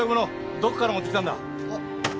どこから持ってきたんだ？